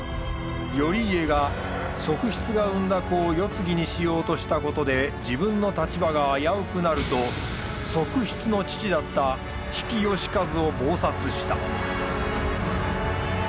頼家が側室が産んだ子を世継ぎにしようとしたことで自分の立場が危うくなると側室の父だった比企能員を謀殺した。